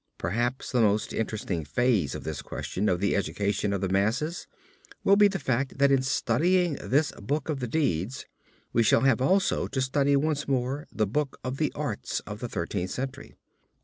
Perhaps the most interesting phase of this question of the education of the masses will be the fact that in studying this book of the deeds, we shall have also to study once more the book of the arts of the Thirteenth Century.